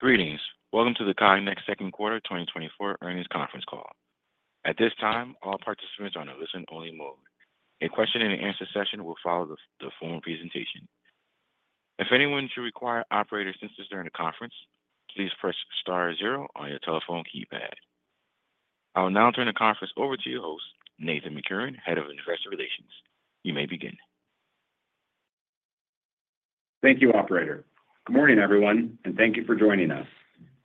Greetings. Welcome to the Cognex Second Quarter 2024 Earnings Conference Call. At this time, all participants are on a listen-only mode. A question-and-answer session will follow the formal presentation. If anyone should require operator assistance during the conference, please press star zero on your telephone keypad. I will now turn the conference over to your host, Nathan McCurren, Head of Investor Relations. You may begin. Thank you, operator. Good morning, everyone, and thank you for joining us.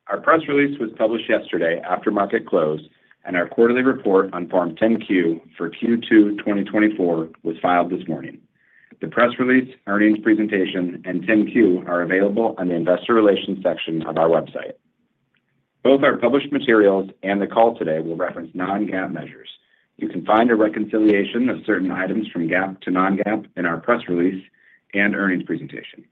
Our press release was published yesterday after market close, and our quarterly report on Form 10-Q for Q2 2024 was filed this morning. The press release, earnings presentation, and 10-Q are available on the investor relations section of our website. Both our published materials and the call today will reference non-GAAP measures. You can find a reconciliation of certain items from GAAP to non-GAAP in our press release and earnings presentation.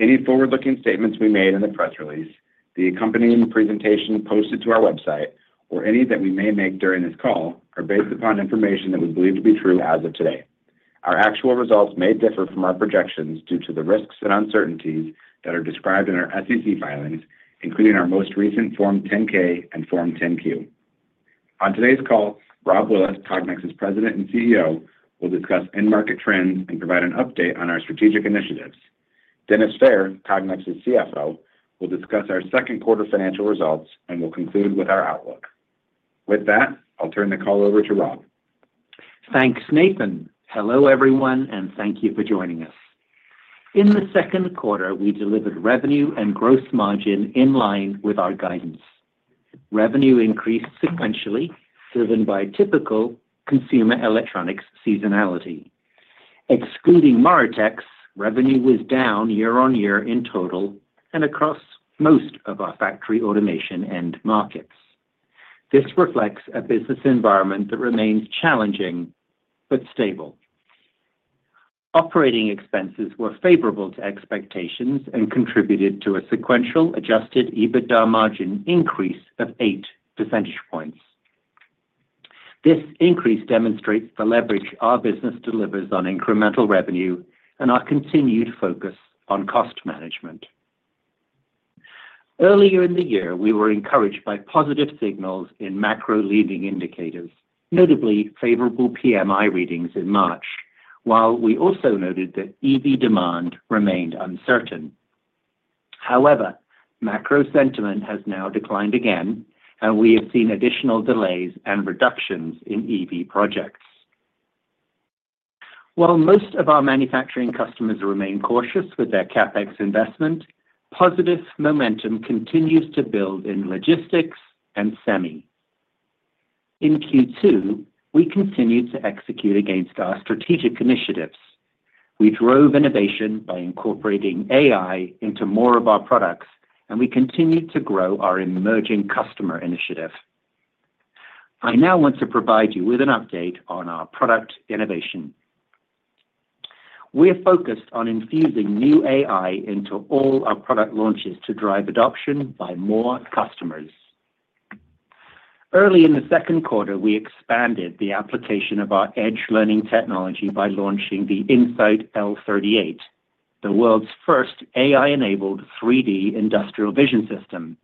Any forward-looking statements we made in the press release, the accompanying presentation posted to our website, or any that we may make during this call, are based upon information that we believe to be true as of today. Our actual results may differ from our projections due to the risks and uncertainties that are described in our SEC filings, including our most recent Form 10-K and Form 10-Q. On today's call, Rob Willett, Cognex's President and CEO, will discuss end market trends and provide an update on our strategic initiatives. Dennis Fehr, Cognex's CFO, will discuss our second quarter financial results, and we'll conclude with our outlook. With that, I'll turn the call over to Rob. Thanks, Nathan. Hello, everyone, and thank you for joining us. In the second quarter, we delivered revenue and gross margin in line with our guidance. Revenue increased sequentially, driven by typical consumer electronics seasonality. Excluding MORITEX, revenue was down year-on-year in total and across most of our factory automation end markets. This reflects a business environment that remains challenging but stable. Operating expenses were favorable to expectations and contributed to a sequential adjusted EBITDA margin increase of eight percentage points. This increase demonstrates the leverage our business delivers on incremental revenue and our continued focus on cost management. Earlier in the year, we were encouraged by positive signals in macro leading indicators, notably favorable PMI readings in March, while we also noted that EV demand remained uncertain. However, macro sentiment has now declined again, and we have seen additional delays and reductions in EV projects. While most of our manufacturing customers remain cautious with their CapEx investment, positive momentum continues to build in logistics and semi. In Q2, we continued to execute against our strategic initiatives. We drove innovation by incorporating AI into more of our products, and we continued to grow our emerging customer initiative. I now want to provide you with an update on our product innovation. We are focused on infusing new AI into all our product launches to drive adoption by more customers. Early in the second quarter, we expanded the application of our edge learning technology by launching the In-Sight L38, the world's first AI-enabled 3D industrial vision system.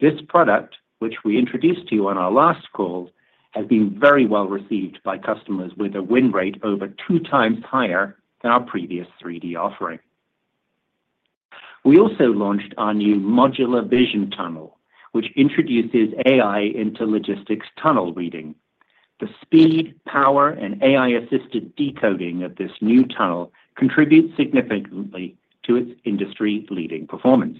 This product, which we introduced to you on our last call, has been very well received by customers with a win rate over 2x higher than our previous 3D offering. We also launched our new Modular Vision Tunnel, which introduces AI into logistics tunnel reading. The speed, power, and AI-assisted decoding of this new tunnel contributes significantly to its industry-leading performance.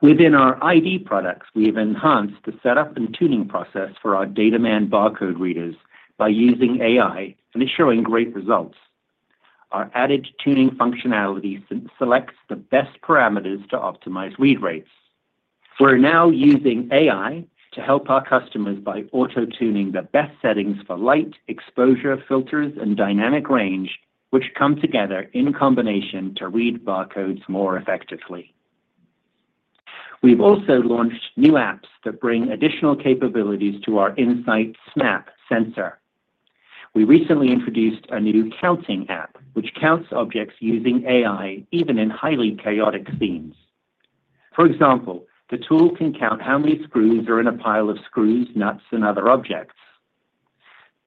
Within our ID products, we've enhanced the setup and tuning process for our DataMan barcode readers by using AI, and it's showing great results. Our added tuning functionality selects the best parameters to optimize read rates. We're now using AI to help our customers by auto-tuning the best settings for light, exposure, filters, and dynamic range, which come together in combination to read barcodes more effectively. We've also launched new apps that bring additional capabilities to our In-Sight SnAPP sensor. We recently introduced a new counting app, which counts objects using AI, even in highly chaotic scenes. For example, the tool can count how many screws are in a pile of screws, nuts, and other objects.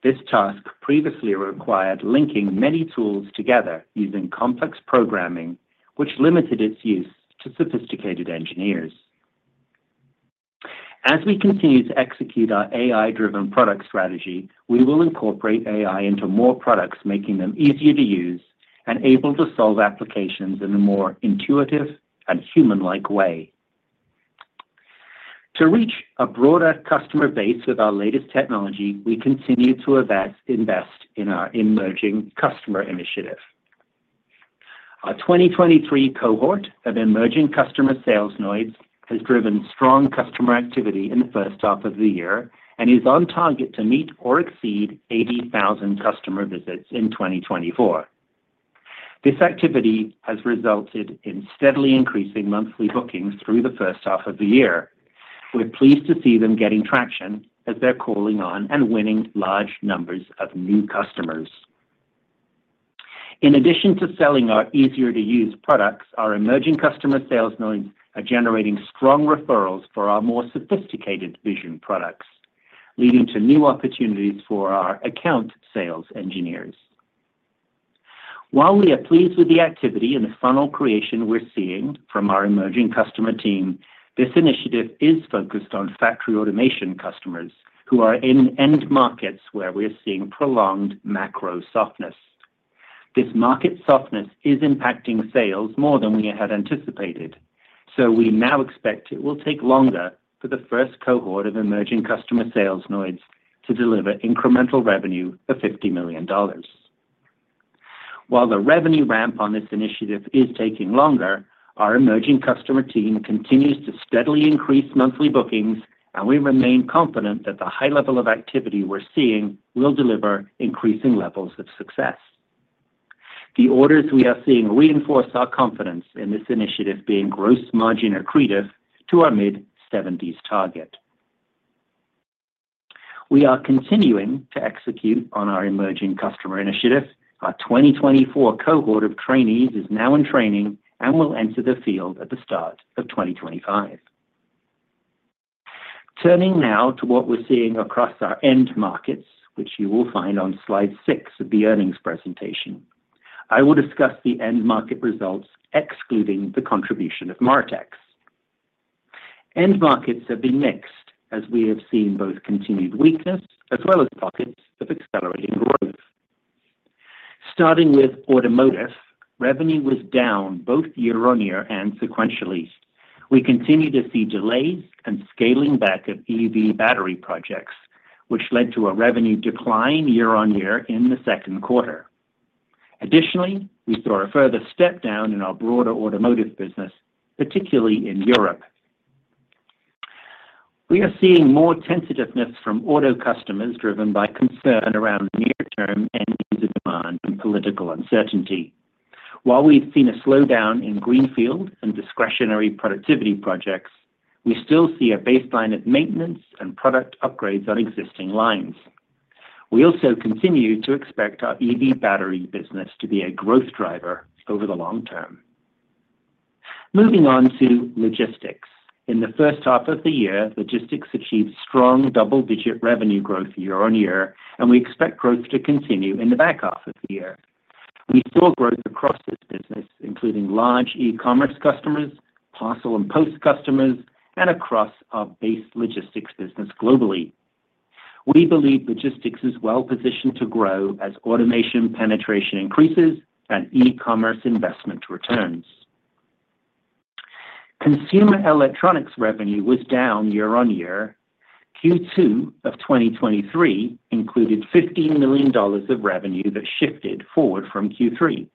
This task previously required linking many tools together using complex programming, which limited its use to sophisticated engineers. As we continue to execute our AI-driven product strategy, we will incorporate AI into more products, making them easier to use and able to solve applications in a more intuitive and human-like way. To reach a broader customer base with our latest technology, we continue to invest, invest in our emerging customer initiative. Our 2023 cohort of emerging customer sales nodes has driven strong customer activity in the first half of the year and is on target to meet or exceed 80,000 customer visits in 2024. This activity has resulted in steadily increasing monthly bookings through the first half of the year. We're pleased to see them getting traction as they're calling on and winning large numbers of new customers. In addition to selling our easier-to-use products, our emerging customer sales nodes are generating strong referrals for our more sophisticated vision products, leading to new opportunities for our account sales engineers. While we are pleased with the activity and the funnel creation we're seeing from our emerging customer team, this initiative is focused on factory automation customers who are in end markets where we are seeing prolonged macro softness. This market softness is impacting sales more than we had anticipated, so we now expect it will take longer for the first cohort of emerging customer sales nodes to deliver incremental revenue of $50 million. While the revenue ramp on this initiative is taking longer, our emerging customer team continues to steadily increase monthly bookings, and we remain confident that the high level of activity we're seeing will deliver increasing levels of success. The orders we are seeing reinforce our confidence in this initiative being gross margin accretive to our mid-70s target. We are continuing to execute on our emerging customer initiative. Our 2024 cohort of trainees is now in training and will enter the field at the start of 2025. Turning now to what we're seeing across our end markets, which you will find on slide six of the earnings presentation. I will discuss the end market results, excluding the contribution of MORITEX. End markets have been mixed, as we have seen both continued weakness as well as pockets of accelerating growth. Starting with automotive, revenue was down both year-on-year and sequentially. We continue to see delays and scaling back of EV battery projects, which led to a revenue decline year-on-year in the second quarter. Additionally, we saw a further step down in our broader automotive business, particularly in Europe. We are seeing more tentativeness from auto customers, driven by concern around near-term end user demand and political uncertainty. While we've seen a slowdown in greenfield and discretionary productivity projects, we still see a baseline of maintenance and product upgrades on existing lines. We also continue to expect our EV battery business to be a growth driver over the long term. Moving on to logistics. In the first half of the year, logistics achieved strong double-digit revenue growth year-on-year, and we expect growth to continue in the back half of the year. We saw growth across this business, including large e-commerce customers, parcel and post customers, and across our base logistics business globally. We believe logistics is well positioned to grow as automation penetration increases and e-commerce investment returns. Consumer electronics revenue was down year-on-year. Q2 of 2023 included $15 million of revenue that shifted forward from Q3.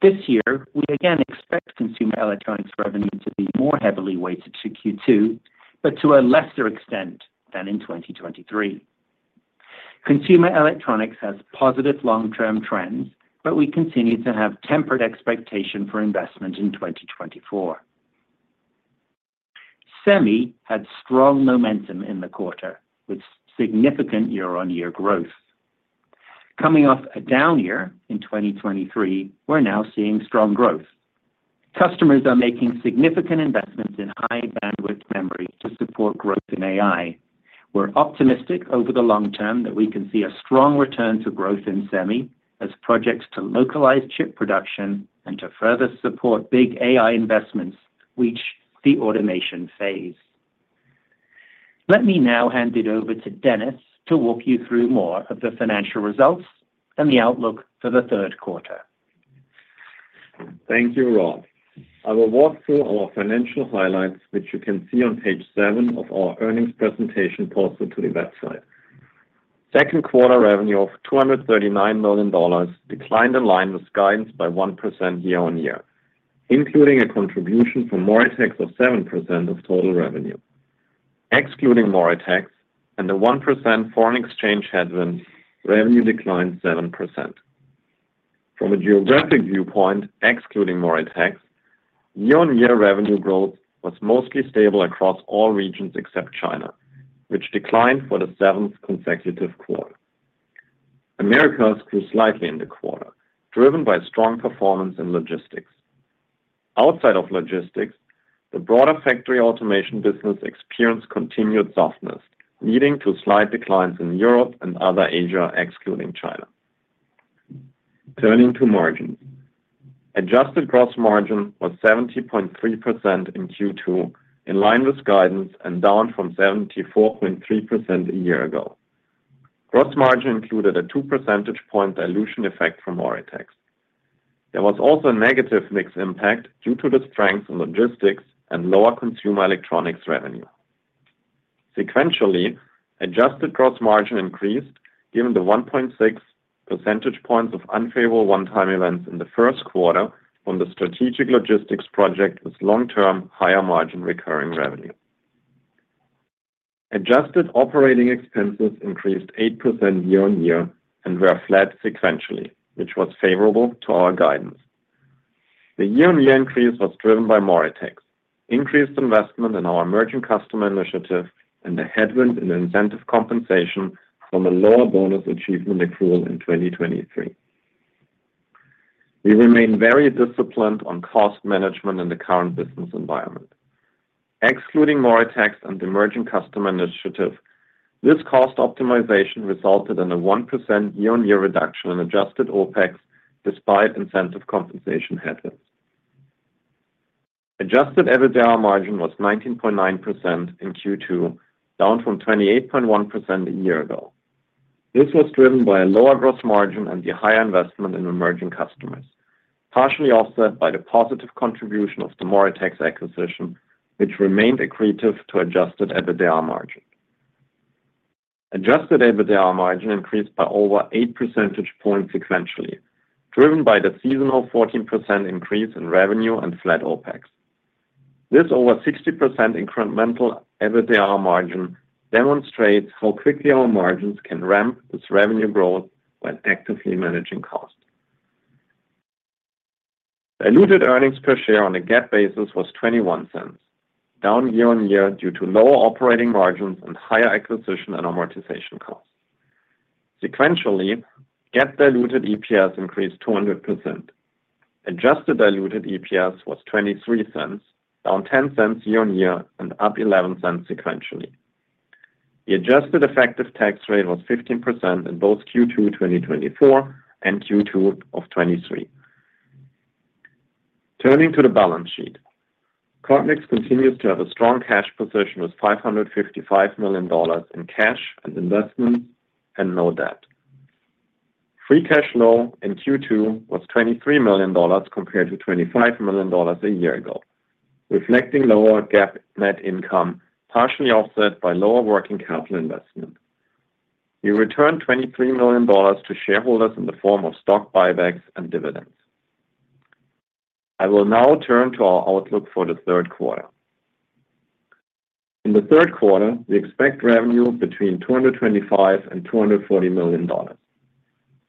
This year, we again expect consumer electronics revenue to be more heavily weighted to Q2, but to a lesser extent than in 2023. Consumer electronics has positive long-term trends, but we continue to have tempered expectation for investment in 2024. Semi had strong momentum in the quarter, with significant year-on-year growth. Coming off a down year in 2023, we're now seeing strong growth. Customers are making significant investments in high-bandwidth memory to support growth in AI. We're optimistic over the long term that we can see a strong return to growth in Semi as projects to localize chip production and to further support big AI investments reach the automation phase. Let me now hand it over to Dennis to walk you through more of the financial results and the outlook for the third quarter. Thank you, Rob. I will walk through our financial highlights, which you can see on page 7 of our earnings presentation posted to the website. Second quarter revenue of $239 million declined in line with guidance by 1% year-over-year, including a contribution from MORITEX of 7% of total revenue. Excluding MORITEX and the 1% foreign exchange headwinds, revenue declined 7%. From a geographic viewpoint, excluding MORITEX, year-over-year revenue growth was mostly stable across all regions except China, which declined for the seventh consecutive quarter. Americas grew slightly in the quarter, driven by strong performance in logistics. Outside of logistics, the broader factory automation business experienced continued softness, leading to slight declines in Europe and other Asia, excluding China. Turning to margins. Adjusted gross margin was 70.3% in Q2, in line with guidance and down from 74.3% a year ago. Gross margin included a 2 percentage point dilution effect from MORITEX. There was also a negative mix impact due to the strength in logistics and lower consumer electronics revenue. Sequentially, adjusted gross margin increased given the 1.6 percentage points of unfavorable one-time events in the first quarter from the strategic logistics project with long-term, higher-margin recurring revenue. Adjusted operating expenses increased 8% year-on-year and were flat sequentially, which was favorable to our guidance. The year-on-year increase was driven by MORITEX, increased investment in our emerging customer initiative, and a headwind in incentive compensation from a lower bonus achievement accrual in 2023. We remain very disciplined on cost management in the current business environment. Excluding MORITEX and emerging Customer Initiative, this cost optimization resulted in a 1% year-on-year reduction in adjusted OpEx, despite incentive compensation headwinds. Adjusted EBITDA margin was 19.9% in Q2, down from 28.1% a year ago. This was driven by a lower gross margin and the higher investment in emerging customers, partially offset by the positive contribution of the MORITEX acquisition, which remained accretive to adjusted EBITDA margin. Adjusted EBITDA margin increased by over 8 percentage points sequentially, driven by the seasonal 14% increase in revenue and flat OpEx. This over 60% incremental EBITDA margin demonstrates how quickly our margins can ramp this revenue growth while actively managing costs. Diluted earnings per share on a GAAP basis was $0.21, down year-on-year due to lower operating margins and higher acquisition and amortization costs. Sequentially, GAAP diluted EPS increased 200%. Adjusted diluted EPS was $0.23, down $0.10 year-on-year and up $0.11 sequentially. The adjusted effective tax rate was 15% in both Q2, 2024 and Q2 of 2023. Turning to the balance sheet, Cognex continues to have a strong cash position with $555 million in cash and investments and no debt. Free cash flow in Q2 was $23 million compared to $25 million a year ago, reflecting lower GAAP net income, partially offset by lower working capital investment. We returned $23 million to shareholders in the form of stock buybacks and dividends. I will now turn to our outlook for the third quarter. In the third quarter, we expect revenue between $225 million and $240 million.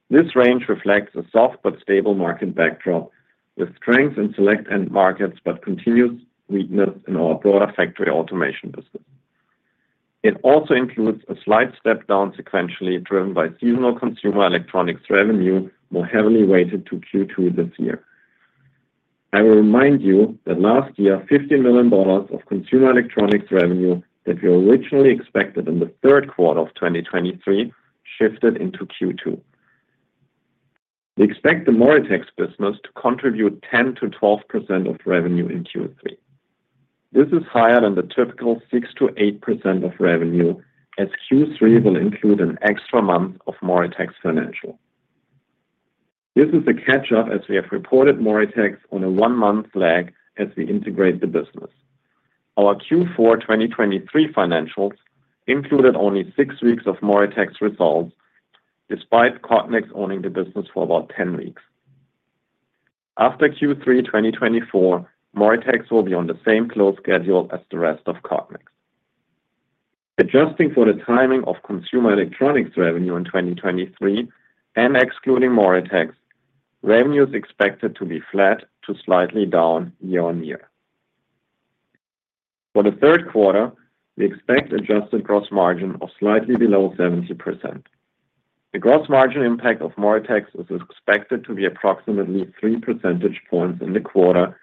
This range reflects a soft but stable market backdrop, with strength in select end markets, but continuous weakness in our broader factory automation business. It also includes a slight step down sequentially, driven by seasonal consumer electronics revenue, more heavily weighted to Q2 this year. I will remind you that last year, $50 million of consumer electronics revenue that we originally expected in the third quarter of 2023 shifted into Q2. We expect the MORITEX business to contribute 10%-12% of revenue in Q3. This is higher than the typical 6%-8% of revenue, as Q3 will include an extra month of MORITEX financial. This is a catch-up as we have reported MORITEX on a 1-month lag as we integrate the business. Our Q4 2023 financials included only 6 weeks of MORITEX results, despite Cognex owning the business for about 10 weeks. After Q3 2024, MORITEX will be on the same close schedule as the rest of Cognex. Adjusting for the timing of consumer electronics revenue in 2023 and excluding MORITEX, revenue is expected to be flat to slightly down year-on-year. For the third quarter, we expect adjusted gross margin of slightly below 70%. The gross margin impact of MORITEX is expected to be approximately three percentage points in the quarter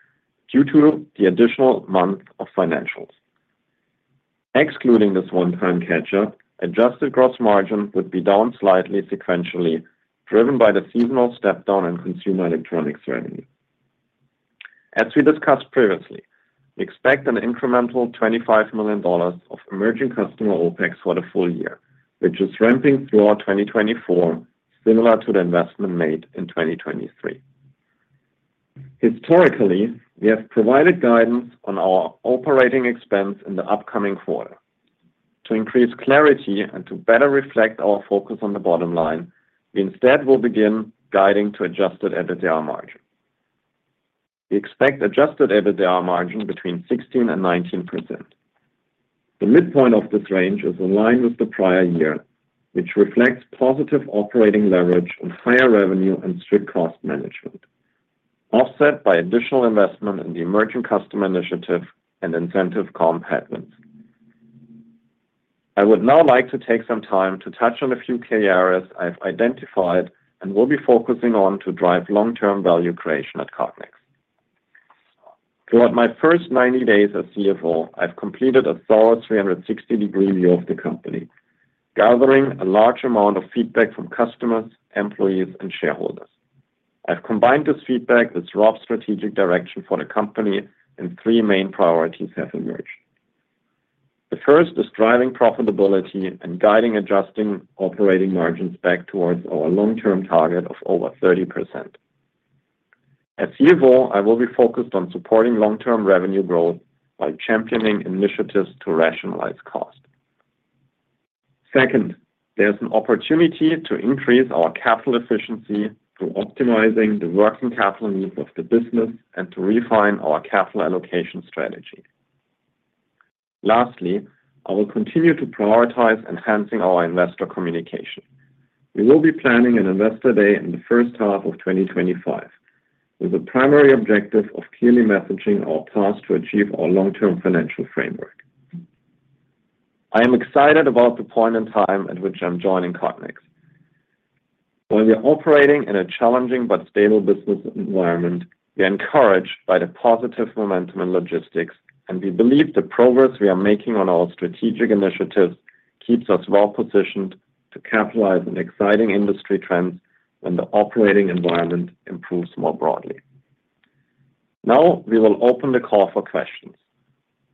due to the additional month of financials. Excluding this one-time catch-up, adjusted gross margin would be down slightly sequentially, driven by the seasonal step down in consumer electronics revenue. As we discussed previously, we expect an incremental $25 million of emerging customer OpEx for the full year, which is ramping through our 2024, similar to the investment made in 2023. Historically, we have provided guidance on our operating expense in the upcoming quarter. To increase clarity and to better reflect our focus on the bottom line, we instead will begin guiding to adjusted EBITDA margin. We expect adjusted EBITDA margin between 16% and 19%. The midpoint of this range is in line with the prior year, which reflects positive operating leverage on higher revenue and strict cost management, offset by additional investment in the emerging customer initiative and incentive comp headwinds. I would now like to take some time to touch on a few key areas I've identified and will be focusing on to drive long-term value creation at Cognex. Throughout my first 90 days as CFO, I've completed a thorough 360-degree view of the company, gathering a large amount of feedback from customers, employees, and shareholders. I've combined this feedback with Rob's strategic direction for the company, and three main priorities have emerged. The first is driving profitability and guiding, adjusting operating margins back towards our long-term target of over 30%. As CFO, I will be focused on supporting long-term revenue growth by championing initiatives to rationalize cost. Second, there's an opportunity to increase our capital efficiency through optimizing the working capital needs of the business and to refine our capital allocation strategy. Lastly, I will continue to prioritize enhancing our investor communication. We will be planning an investor day in the first half of 2025, with the primary objective of clearly messaging our path to achieve our long-term financial framework. I am excited about the point in time at which I'm joining Cognex. While we are operating in a challenging but stable business environment, we are encouraged by the positive momentum in logistics, and we believe the progress we are making on our strategic initiatives keeps us well positioned to capitalize on exciting industry trends when the operating environment improves more broadly. Now, we will open the call for questions.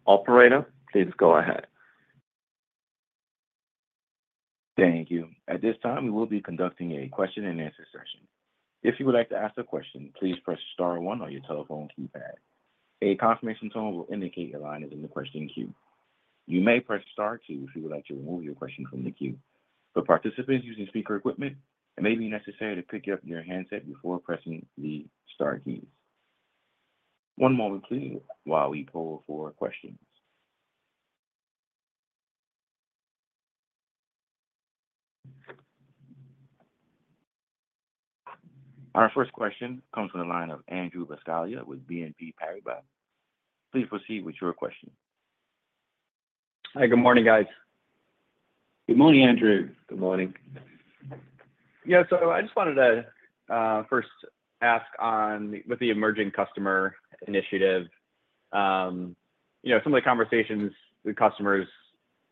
Operator, please go ahead. Thank you. At this time, we will be conducting a question-and-answer session. If you would like to ask a question, please press star one on your telephone keypad. A confirmation tone will indicate your line is in the question queue. You may press star two if you would like to remove your question from the queue. For participants using speaker equipment, it may be necessary to pick up your handset before pressing the star keys. One moment, please, while we poll for questions. Our first question comes from the line of Andrew Buscaglia with BNP Paribas. Please proceed with your question. Hi. Good morning, guys. Good morning, Andrew. Good morning. Yeah. So I just wanted to first ask on with the emerging customer initiative, you know, some of the conversations with customers,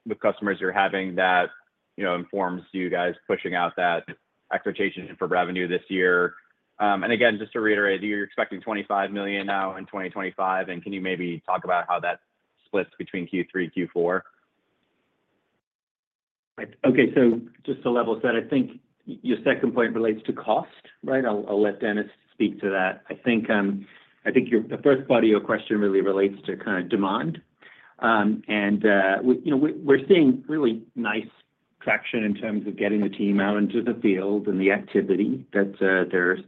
with customers you're having that, you know, informs you guys pushing out that expectation for revenue this year. And again, just to reiterate, you're expecting $25 million now in 2025, and can you maybe talk about how that splits between Q3, Q4? Okay. So just to level set, I think your second point relates to cost, right? I'll let Dennis speak to that. I think your the first part of your question really relates to kind of demand. And we, you know, we're seeing really nice traction in terms of getting the team out into the field and the activity that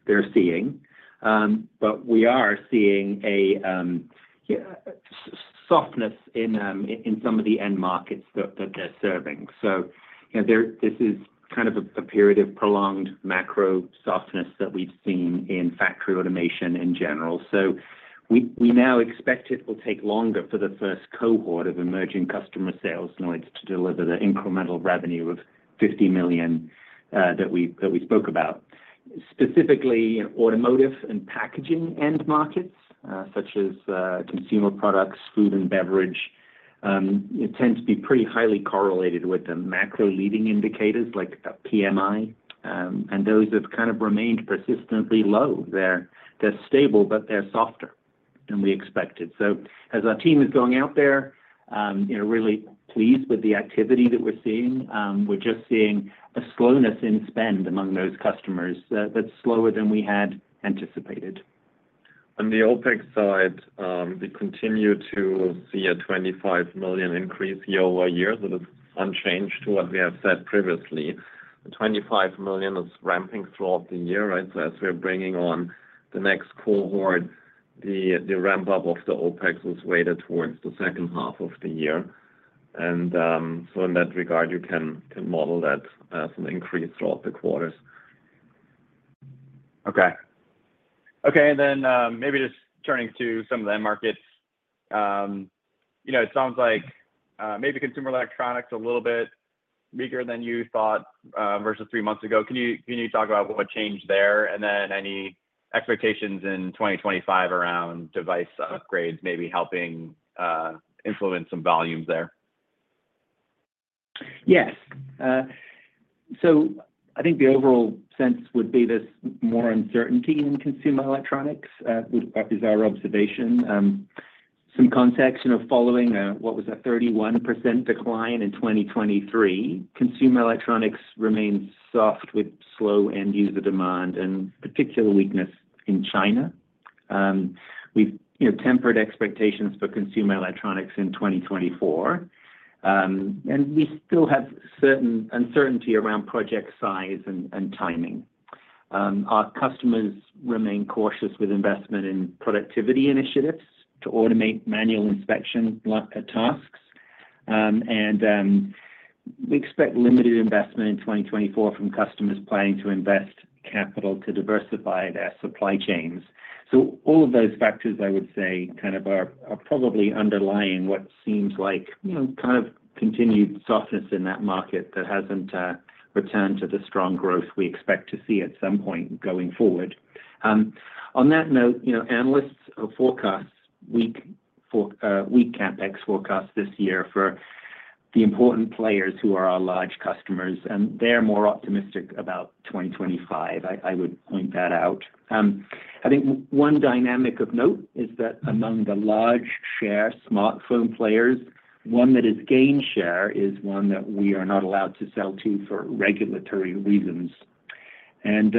they're seeing. But we are seeing a softness in some of the end markets that they're serving. So, you know, this is kind of a period of prolonged macro softness that we've seen in factory automation in general. So we now expect it will take longer for the first cohort of emerging customer sales in order to deliver the incremental revenue of $50 million that we spoke about. Specifically, automotive and packaging end markets, such as, consumer products, food and beverage, it tends to be pretty highly correlated with the macro leading indicators like, PMI, and those have kind of remained persistently low. They're stable, but they're softer than we expected. So as our team is going out there, you know, really pleased with the activity that we're seeing. We're just seeing a slowness in spend among those customers, that's slower than we had anticipated. On the OpEx side, we continue to see a $25 million increase year-over-year. So that's unchanged to what we have said previously. The $25 million is ramping throughout the year, right? So as we're bringing on the next cohort, the ramp-up of the OpEx was weighted towards the second half of the year. And so in that regard, you can model that as an increase throughout the quarters. Okay. Okay, and then, maybe just turning to some of the end markets. You know, it sounds like, maybe consumer electronics a little bit weaker than you thought, versus three months ago. Can you, can you talk about what changed there? And then any expectations in 2025 around device upgrades, maybe helping, influence some volumes there? Yes. So I think the overall sense would be there's more uncertainty in consumer electronics, that is our observation. Some context, you know, following what was a 31% decline in 2023, consumer electronics remains soft, with slow end user demand and particular weakness in China. We've, you know, tempered expectations for consumer electronics in 2024, and we still have certain uncertainty around project size and timing. Our customers remain cautious with investment in productivity initiatives to automate manual inspection tasks. And we expect limited investment in 2024 from customers planning to invest capital to diversify their supply chains. So all of those factors, I would say, kind of are, are probably underlying what seems like, you know, kind of continued softness in that market that hasn't returned to the strong growth we expect to see at some point going forward. On that note, you know, analysts forecasts weak for weak CapEx forecast this year for the important players who are our large customers, and they're more optimistic about 2025. I would point that out. I think one dynamic of note is that among the large share smartphone players, one that has gained share is one that we are not allowed to sell to for regulatory reasons. And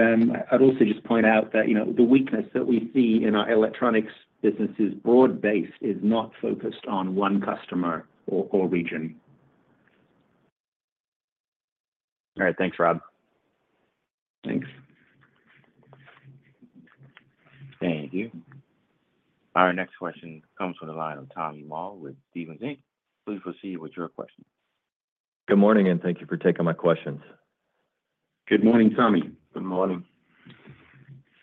I'd also just point out that, you know, the weakness that we see in our electronics business' broad base is not focused on one customer or region.... All right. Thanks, Rob. Thanks. Thank you. Our next question comes from the line of Tommy Moll with Stephens Inc. Please proceed with your question. Good morning, and thank you for taking my questions. Good morning, Tommy. Good morning.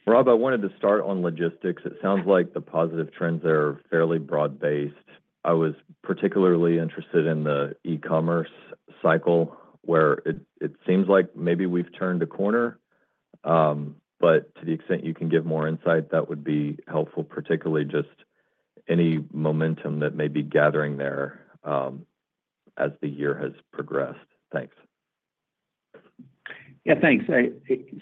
Rob, I wanted to start on logistics. It sounds like the positive trends are fairly broad-based. I was particularly interested in the e-commerce cycle, where it, it seems like maybe we've turned a corner. But to the extent you can give more insight, that would be helpful, particularly just any momentum that may be gathering there, as the year has progressed. Thanks. Yeah, thanks.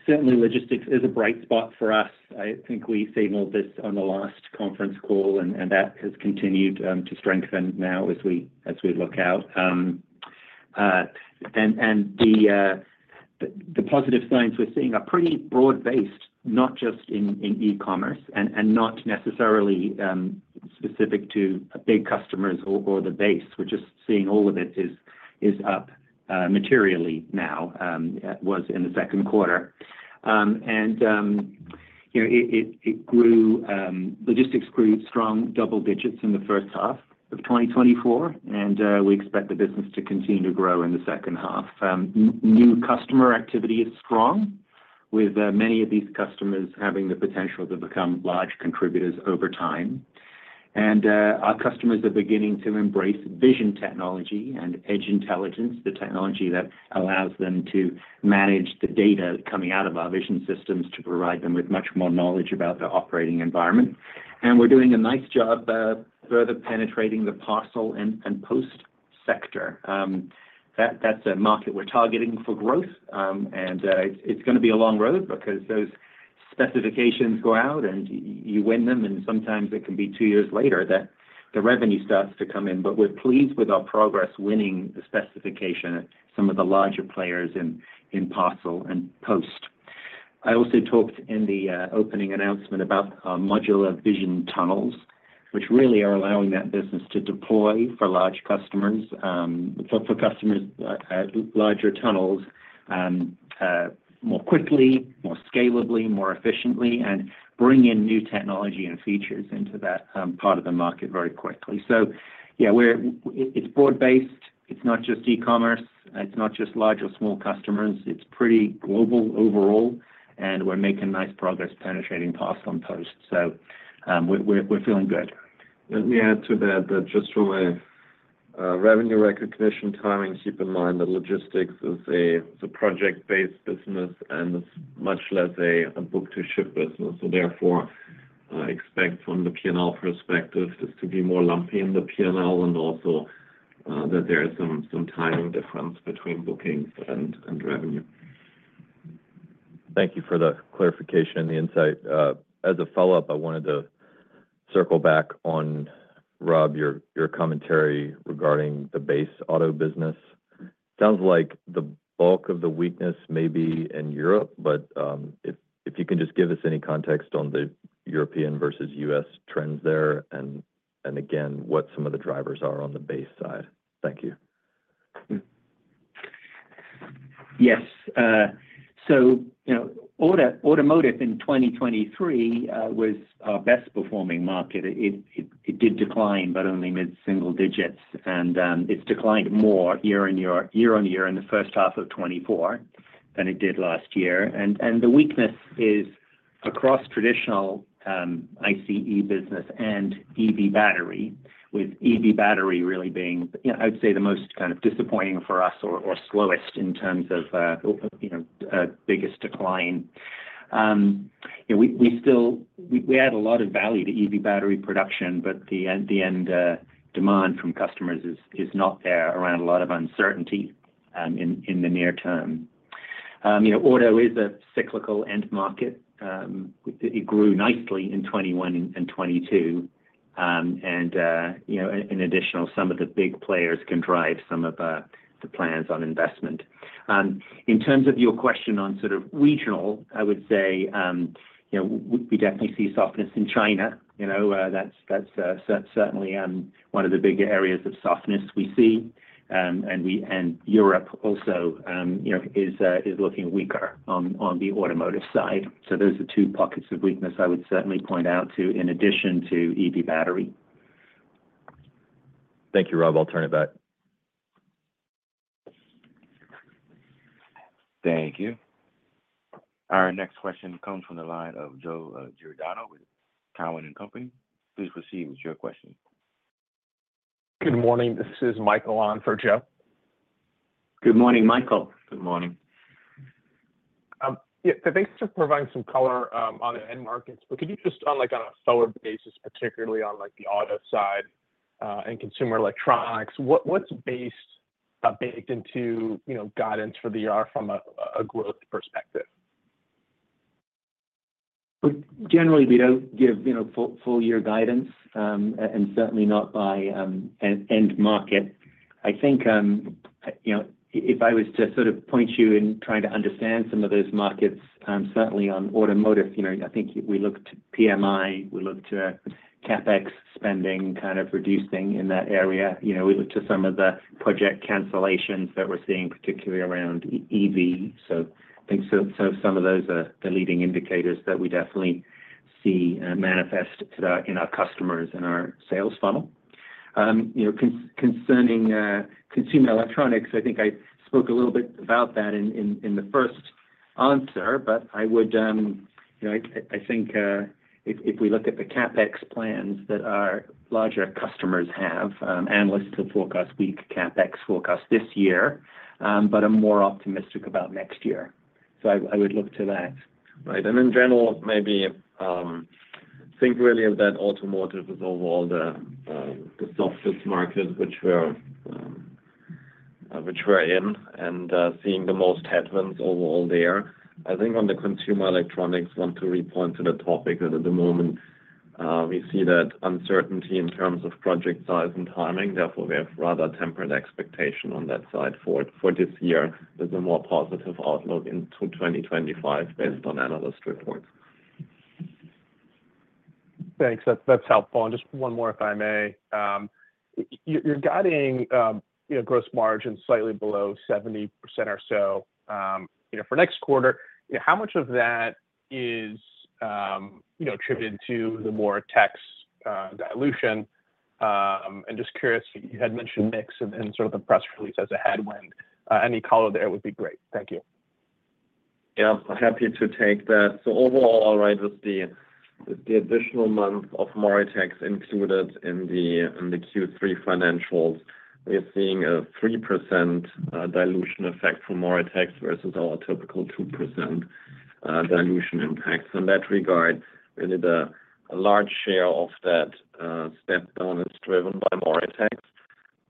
Certainly, logistics is a bright spot for us. I think we signaled this on the last conference call, and that has continued to strengthen now as we look out. And the positive signs we're seeing are pretty broad-based, not just in e-commerce, and not necessarily specific to big customers or the base. We're just seeing all of it is up materially now, was in the second quarter. And you know, it grew. Logistics grew strong double digits in the first half of 2024, and we expect the business to continue to grow in the second half. New customer activity is strong, with many of these customers having the potential to become large contributors over time. Our customers are beginning to embrace vision technology and edge intelligence, the technology that allows them to manage the data coming out of our vision systems to provide them with much more knowledge about their operating environment. We're doing a nice job further penetrating the parcel and post sector. That's a market we're targeting for growth. It's gonna be a long road because those specifications go out and you win them, and sometimes it can be 2 years later that the revenue starts to come in. But we're pleased with our progress winning the specification of some of the larger players in parcel and post. I also talked in the opening announcement about our modular vision tunnels, which really are allowing that business to deploy for large customers, for customers at larger tunnels, more quickly, more scalably, more efficiently, and bring in new technology and features into that part of the market very quickly. So, yeah, it's broad-based. It's not just e-commerce, it's not just large or small customers. It's pretty global overall, and we're making nice progress penetrating parcel and post. So, we're feeling good. Let me add to that, that just from a revenue recognition timing, keep in mind that logistics is a project-based business and is much less a book-to-ship business. So therefore, expect from the P&L perspective, just to be more lumpy in the P&L, and also, that there is some timing difference between bookings and revenue. Thank you for the clarification and the insight. As a follow-up, I wanted to circle back on, Rob, your commentary regarding the base auto business. Sounds like the bulk of the weakness may be in Europe, but if you can just give us any context on the European versus US trends there, and again, what some of the drivers are on the base side. Thank you. Yes. So, you know, automotive in 2023 was our best-performing market. It did decline, but only mid-single digits, and it's declined more year-over-year in the first half of 2024 than it did last year. And the weakness is across traditional ICE business and EV battery, with EV battery really being, you know, I would say, the most kind of disappointing for us or slowest in terms of biggest decline. Yeah, we still—we add a lot of value to EV battery production, but the end demand from customers is not there around a lot of uncertainty in the near term. You know, auto is a cyclical end market. It grew nicely in 2021 and 2022. And you know, and additional, some of the big players can drive some of the plans on investment. In terms of your question on sort of regional, I would say, you know, we definitely see softness in China. You know, that's certainly one of the bigger areas of softness we see. And Europe also, you know, is looking weaker on the automotive side. So those are two pockets of weakness I would certainly point out to in addition to EV battery. Thank you, Rob. I'll turn it back. Thank you. Our next question comes from the line of Joe Giordano with Cowen and Company. Please proceed with your question. Good morning. This is Michael on for Joe. Good morning, Michael. Good morning. Yeah, so thanks for providing some color on the end markets. But could you just on, like, on a forward basis, particularly on, like, the auto side, and consumer electronics, what's baked into, you know, guidance for the year from a growth perspective? Well, generally, we don't give, you know, full year guidance, and certainly not by end market. I think, you know, if I was to sort of point you in trying to understand some of those markets, certainly on automotive, you know, I think we look to PMI, we look to CapEx spending kind of reducing in that area. You know, we look to some of the project cancellations that we're seeing, particularly around EV. So I think so, some of those are the leading indicators that we definitely see manifest to the in our customers and our sales funnel. You know, concerning consumer electronics, I think I spoke a little bit about that in the first answer, but I would, you know, I think, if we look at the CapEx plans that our larger customers have, analysts have forecast weak CapEx forecast this year, but are more optimistic about next year. So I would look to that. Right. And in general, maybe, think really of that automotive is overall the softest market which we're in, and seeing the most headwinds overall there. I think on the consumer electronics, want to repoint to the topic that at the moment, we see that uncertainty in terms of project size and timing, therefore, we have rather tempered expectation on that side for this year. There's a more positive outlook into 2025 based on analyst reports. Thanks. That's, that's helpful. And just one more, if I may. You're guiding, you know, gross margin slightly below 70% or so, you know, for next quarter. How much of that is, you know, attributed to the Moritex dilution? And just curious, you had mentioned mix in sort of the press release as a headwind. Any color there would be great. Thank you. Yeah. Happy to take that. So overall, all right, with the additional month of MORITEX included in the Q3 financials, we're seeing a 3% dilution effect from MORITEX versus our typical 2% dilution impact. In that regard, really a large share of that step down is driven by MORITEX,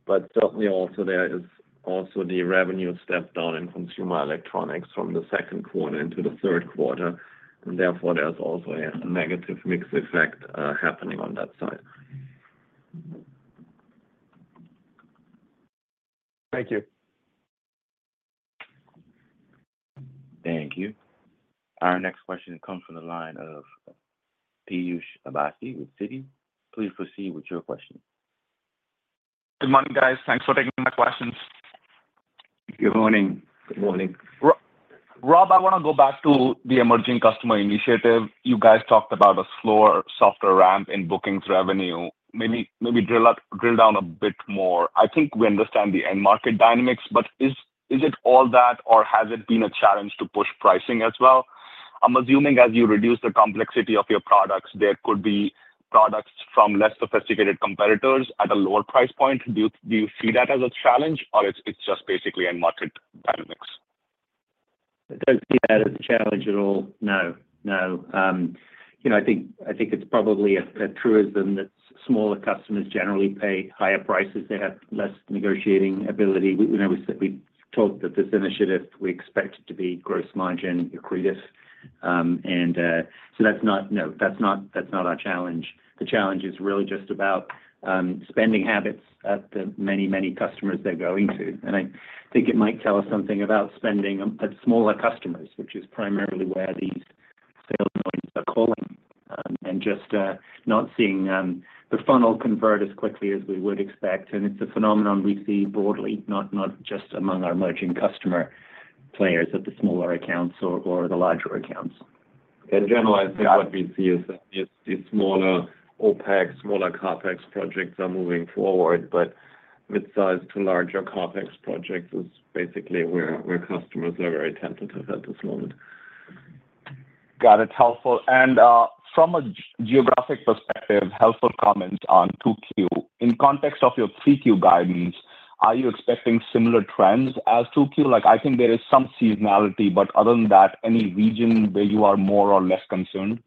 but certainly also there is also the revenue step down in consumer electronics from the second quarter into the third quarter, and therefore, there's also a negative mix effect happening on that side. Thank you. Thank you. Our next question comes from the line of Piyush Avasthy with Citi. Please proceed with your question. Good morning, guys. Thanks for taking my questions. Good morning. Good morning. Rob, I wanna go back to the emerging customer initiative. You guys talked about a slower softer ramp in bookings revenue. Maybe drill down a bit more. I think we understand the end market dynamics, but is it all that, or has it been a challenge to push pricing as well? I'm assuming as you reduce the complexity of your products, there could be products from less sophisticated competitors at a lower price point. Do you see that as a challenge, or it's just basically end market dynamics? I don't see that as a challenge at all. No, no. You know, I think, I think it's probably a truism that smaller customers generally pay higher prices. They have less negotiating ability. We, you know, we, we talked that this initiative, we expect it to be gross margin accretive. And so that's not—no, that's not, that's not our challenge. The challenge is really just about spending habits at the many, many customers they're going to. And I think it might tell us something about spending at smaller customers, which is primarily where these sales points are calling. And just not seeing the funnel convert as quickly as we would expect, and it's a phenomenon we see broadly, not just among our emerging customer players at the smaller accounts or the larger accounts. In general, I think what we see is that the smaller OpEx, smaller CapEx projects are moving forward, but mid-size to larger CapEx projects is basically where customers are very tentative at this moment. Got it. Helpful. From a geographic perspective, helpful comment on 2Q. In context of your 3Q guidance, are you expecting similar trends as 2Q? Like, I think there is some seasonality, but other than that, any region where you are more or less concerned?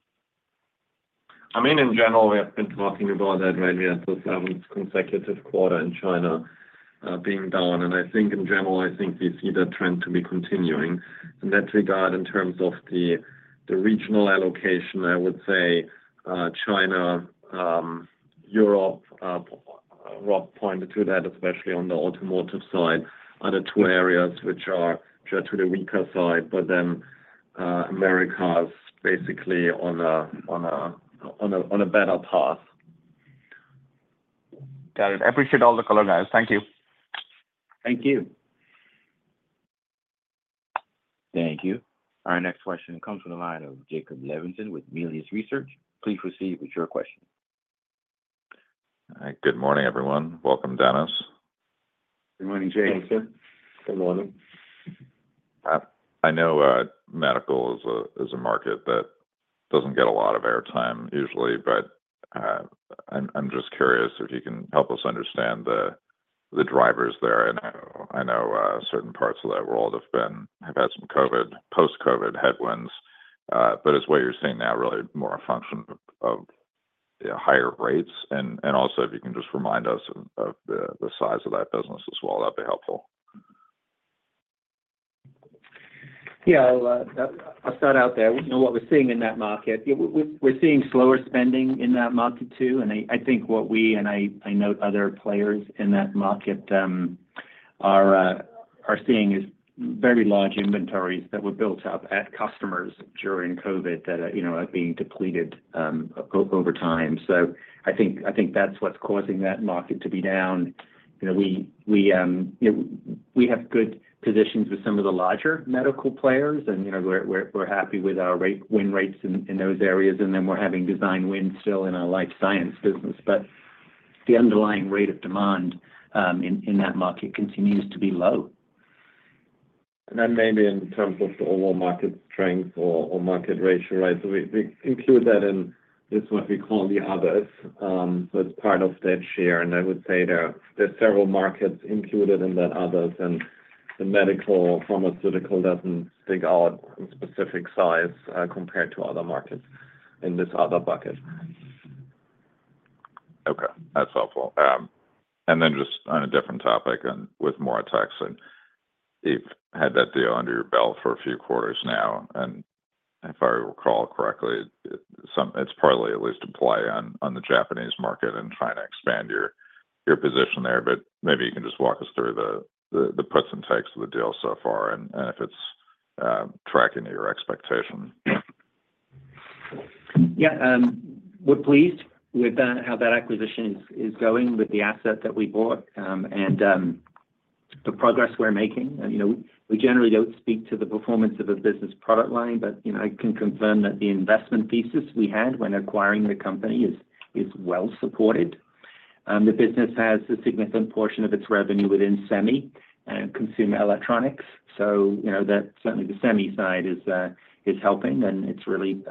I mean, in general, we have been talking about that, right? We have the consecutive quarter in China being down. And I think in general, I think we see that trend to be continuing. In that regard, in terms of the regional allocation, I would say, China, Europe, Rob pointed to that, especially on the automotive side, are the two areas which are just to the weaker side, but then, Americas, basically on a better path. Got it. I appreciate all the color, guys. Thank you. Thank you. Thank you. Our next question comes from the line of Jake Levinson with Melius Research. Please proceed with your question. Hi. Good morning, everyone. Welcome, Dennis. Good morning, Jacob. Thank you. Good morning. I know, medical is a market that doesn't get a lot of airtime usually, but, I'm just curious if you can help us understand the drivers there. I know, certain parts of that world have had some COVID, post-COVID headwinds, but is what you're seeing now really more a function of, you know, higher rates? And also, if you can just remind us of the size of that business as well, that'd be helpful. Yeah. I'll start out there. You know, what we're seeing in that market, yeah, we're seeing slower spending in that market, too. And I think what we, and I know other players in that market are seeing is very large inventories that were built up at customers during COVID that are, you know, are being depleted over time. So I think that's what's causing that market to be down. You know, we have good positions with some of the larger medical players, and, you know, we're happy with our win rates in those areas, and then we're having design wins still in our life science business. But the underlying rate of demand in that market continues to be low. And that may be in terms of the overall market strength or market ratio, right? So we include that in this, what we call the others, so it's part of that share. And I would say there are several markets included in that others, and the medical pharmaceutical doesn't stick out in specific size compared to other markets in this other bucket. Okay, that's helpful. And then just on a different topic, and with MORITEX, and you've had that deal under your belt for a few quarters now, and if I recall correctly, it's partly at least a play on the Japanese market and trying to expand your position there, but maybe you can just walk us through the puts and takes of the deal so far, and if it's tracking to your expectation. Yeah, we're pleased with that, how that acquisition is going with the asset that we bought, and the progress we're making. And, you know, we generally don't speak to the performance of a business product line, but, you know, I can confirm that the investment thesis we had when acquiring the company is well supported. The business has a significant portion of its revenue within semi and consumer electronics, so you know that certainly the semi side is helping, and it's really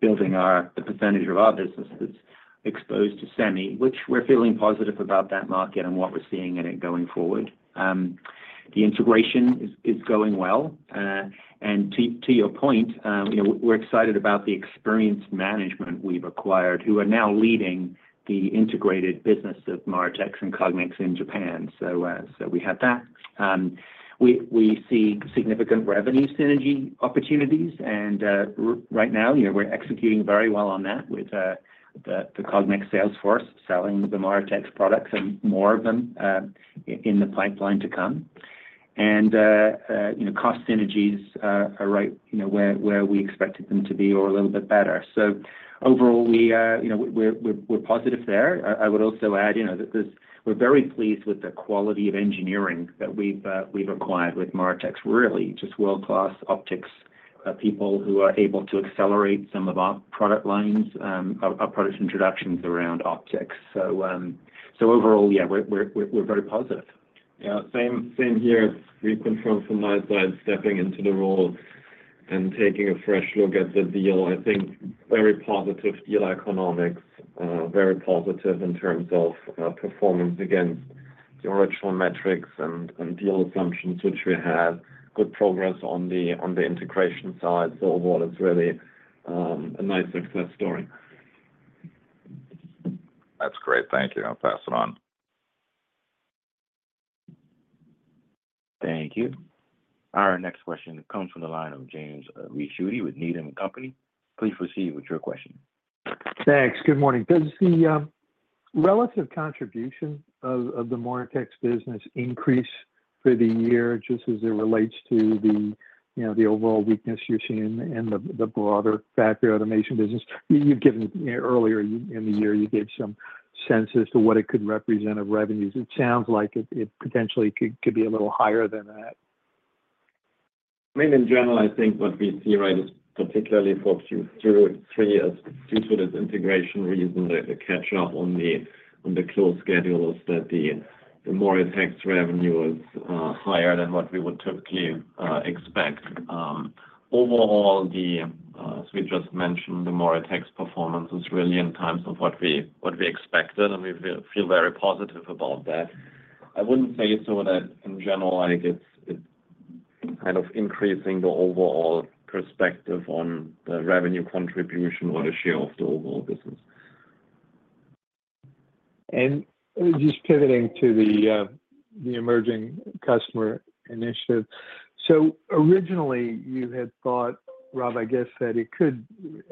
building our, the percentage of our businesses exposed to semi, which we're feeling positive about that market and what we're seeing in it going forward. The integration is going well. And to, to your point, you know, we're excited about the experienced management we've acquired, who are now leading the integrated business of MORITEX and Cognex in Japan. So, so we have that. We see significant revenue synergy opportunities, and right now, you know, we're executing very well on that with the Cognex sales force selling the MORITEX products and more of them in the pipeline to come. And you know, cost synergies are right, you know, where we expected them to be or a little bit better. So overall, you know, we're positive there. I would also add, you know, that this, we're very pleased with the quality of engineering that we've acquired with MORITEX. Really, just world-class optics, people who are able to accelerate some of our product lines, our product introductions around optics. So, overall, yeah, we're very positive. Yeah, same, same here. We confirm from my side, stepping into the role and taking a fresh look at the deal. I think very positive deal economics, very positive in terms of performance against the original metrics and deal assumptions, which we had good progress on the integration side. So overall, it's really a nice success story. That's great. Thank you. I'll pass it on. Thank you. Our next question comes from the line of James Ricchiuti with Needham & Company. Please proceed with your question. Thanks. Good morning. Does the relative contribution of the MORITEX business increase for the year, just as it relates to the, you know, the overall weakness you're seeing in the broader factory automation business? Earlier in the year, you gave some sense as to what it could represent of revenues. It sounds like it potentially could be a little higher than that. I mean, in general, I think what we see, right, is particularly for 2, 2 or 3 years, due to this integration reason, the catch up on the close schedules, that the MORITEX revenue is higher than what we would typically expect. Overall, as we just mentioned, the MORITEX performance is really in terms of what we expected, and we feel very positive about that. I wouldn't say so that in general, like, it's kind of increasing the overall perspective on the revenue contribution or the share of the overall business. Just pivoting to the emerging customer initiative. So originally, you had thought, Rob, I guess, that it could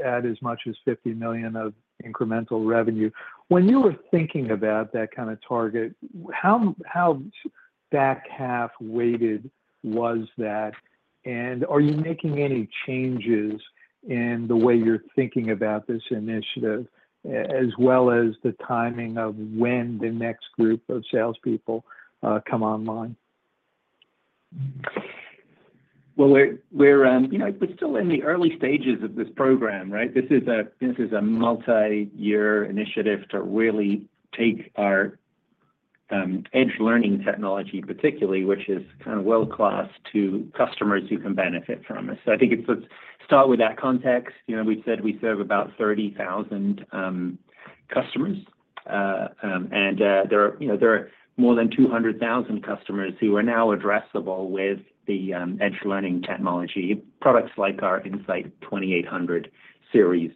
add as much as $50 million of incremental revenue. When you were thinking about that kind of target, how back half weighted was that? Are you making any changes in the way you're thinking about this initiative, as well as the timing of when the next group of salespeople come online? Well, we're, you know, we're still in the early stages of this program, right? This is a multi-year initiative to really take our edge learning technology, particularly, which is kind of world-class, to customers who can benefit from it. So I think it's let's start with that context. You know, we've said we serve about 30,000 customers, and there are, you know, there are more than 200,000 customers who are now addressable with the edge learning technology, products like our In-Sight 2800 series.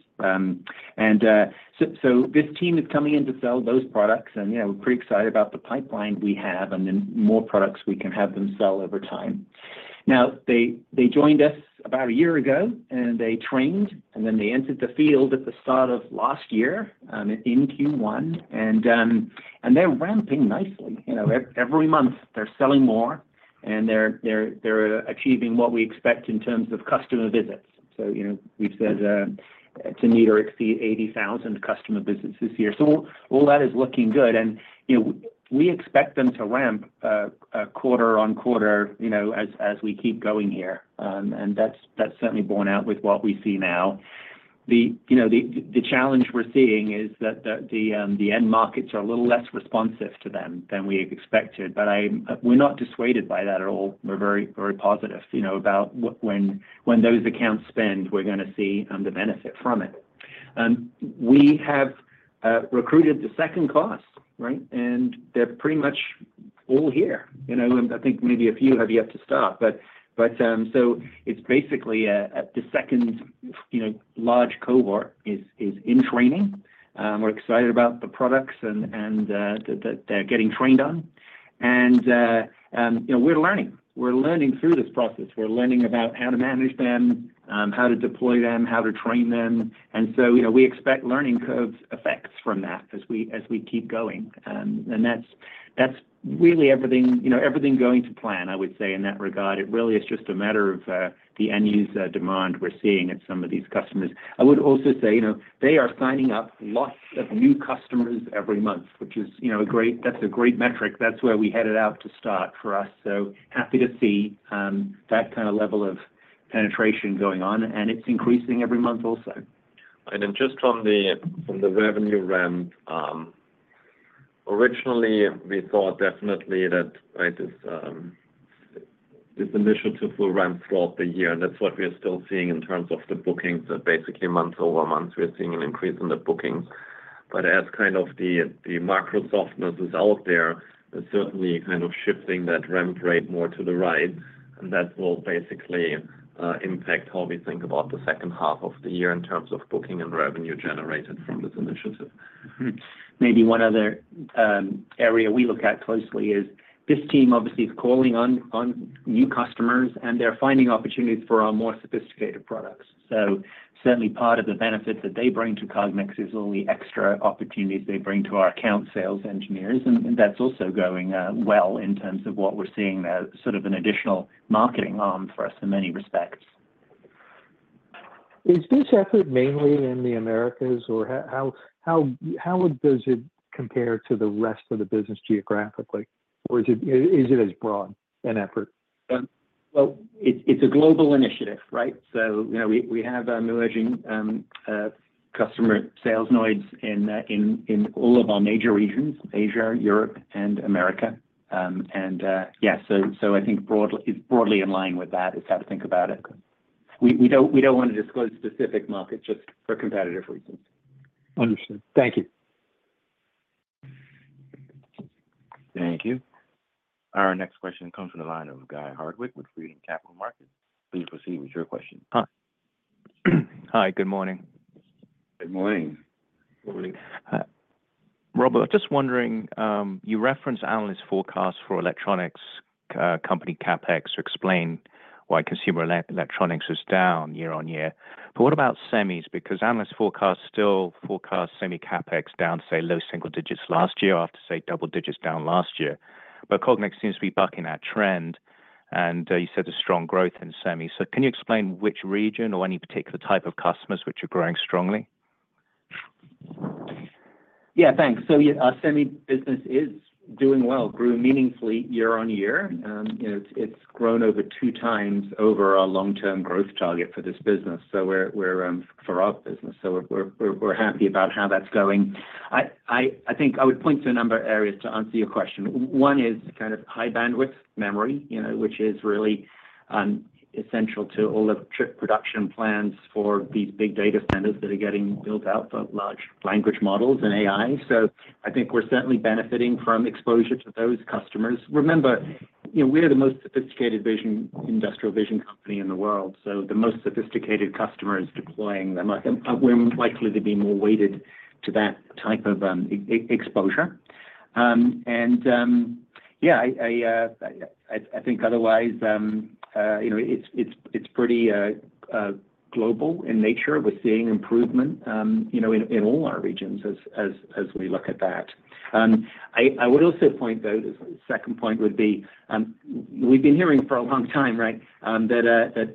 So this team is coming in to sell those products, and, you know, we're pretty excited about the pipeline we have and then more products we can have them sell over time. Now, they joined us about a year ago, and they trained, and then they entered the field at the start of last year in Q1, and they're ramping nicely. You know, every month, they're selling more, and they're achieving what we expect in terms of customer visits. So, you know, we've said to meet or exceed 80,000 customer visits this year. So all that is looking good, and, you know, we expect them to ramp quarter-over-quarter, you know, as we keep going here. And that's certainly borne out with what we see now. You know, the challenge we're seeing is that the end markets are a little less responsive to them than we expected, but we're not dissuaded by that at all. We're very, very positive, you know, about when those accounts spend, we're gonna see the benefit from it. We have recruited the second class, right? And they're pretty much all here. You know, I think maybe a few have yet to start, but so it's basically the second, you know, large cohort is in training. We're excited about the products and that they're getting trained on. And you know, we're learning. We're learning through this process. We're learning about how to manage them, how to deploy them, how to train them, and so, you know, we expect learning curves effects from that as we keep going. And that's really everything, you know, everything going to plan, I would say, in that regard. It really is just a matter of the end user demand we're seeing at some of these customers. I would also say, you know, they are signing up lots of new customers every month, which is, you know, a great, that's a great metric. That's where we headed out to start for us, so happy to see that kind of level of penetration going on, and it's increasing every month also. And then just on the revenue ramp, originally, we thought definitely that, right, this initiative will run throughout the year, and that's what we are still seeing in terms of the bookings. Basically, month-over-month, we're seeing an increase in the bookings. But as kind of the macro softness is out there, certainly kind of shifting that ramp rate more to the right, and that will basically impact how we think about the second half of the year in terms of booking and revenue generated from this initiative. Hmm. Maybe one other area we look at closely is this team obviously is calling on new customers, and they're finding opportunities for our more sophisticated products. So certainly part of the benefit that they bring to Cognex is all the extra opportunities they bring to our account sales engineers, and that's also going well in terms of what we're seeing as sort of an additional marketing arm for us in many respects. Is this effort mainly in the Americas, or how does it compare to the rest of the business geographically? Or is it as broad an effort? Well, it's a global initiative, right? So, you know, we have emerging customer sales nodes in all of our major regions, Asia, Europe, and America. And yeah, so I think broadly, it's broadly in line with that, is how to think about it. We don't want to disclose specific markets just for competitive reasons. Understood. Thank you. Thank you. Our next question comes from the line of Guy Hardwick with Freedom Capital Markets. Please proceed with your question. Hi. Hi, good morning. Good morning. Robert, just wondering, you referenced analyst forecasts for electronics company CapEx to explain why consumer electronics is down year-over-year. But what about semis? Because analyst forecasts still forecast semi CapEx down to, say, low single digits last year, after, say, double digits down last year. But Cognex seems to be bucking that trend, and you said a strong growth in semis. So can you explain which region or any particular type of customers which are growing strongly? Yeah, thanks. So yeah, our semi business is doing well, grew meaningfully year-over-year. You know, it's grown over 2x over our long-term growth target for this business. So we're happy about how that's going. I think I would point to a number of areas to answer your question. One is kind of high-bandwidth memory, you know, which is really essential to all the chip production plans for these big data centers that are getting built out for large language models and AI. So I think we're certainly benefiting from exposure to those customers. Remember, you know, we are the most sophisticated vision, industrial vision company in the world, so the most sophisticated customer is deploying them. We're likely to be more weighted to that type of exposure. And yeah, I think otherwise, you know, it's pretty global in nature. We're seeing improvement, you know, in all our regions as we look at that. I would also point, though, the second point would be, we've been hearing for a long time, right, that